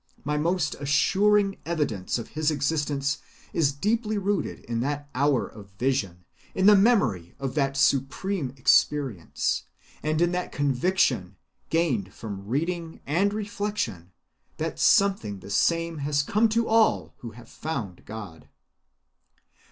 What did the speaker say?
My most assuring evidence of his existence is deeply rooted in that hour of vision, in the memory of that supreme experience, and in the conviction, gained from reading and reflection, that something the same has come to all who have found God.